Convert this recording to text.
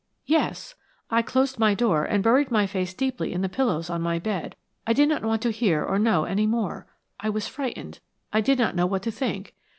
"Yes. I closed my door and buried my face deeply in the pillows on my bed. I did not want to hear or know any more. I was frightened; I did not know what to think.